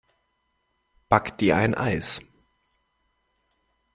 Back dir ein Eis!